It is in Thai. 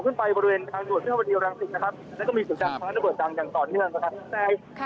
ขึ้นไปบริเวณทางด่วนวิทยาวดีอลังศิษย์นะครับ